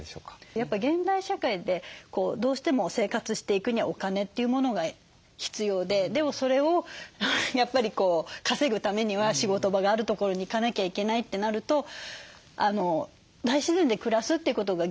やっぱ現代社会でどうしても生活していくにはお金というものが必要ででもそれをやっぱり稼ぐためには仕事場がある所に行かなきゃいけないってなると大自然で暮らすっていうことが現状できない。